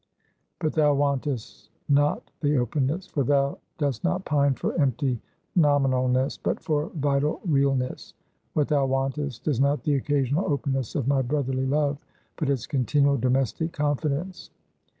But thou wantest not the openness; for thou dost not pine for empty nominalness, but for vital realness; what thou wantest, is not the occasional openness of my brotherly love; but its continual domestic confidence.